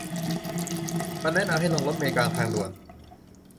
มันแนะนำให้ลงรถเมล์กลางทางด่วน